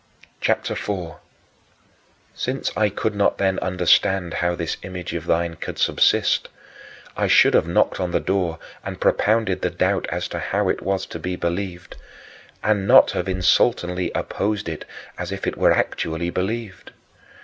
CHAPTER IV 5. Since I could not then understand how this image of thine could subsist, I should have knocked on the door and propounded the doubt as to how it was to be believed, and not have insultingly opposed it as if it were actually believed.